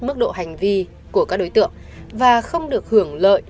mức độ hành vi của các đối tượng và không được hưởng lợi